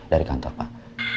dari kantor pak